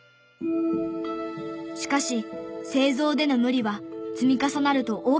しかし製造での無理は積み重なると大きな負担に。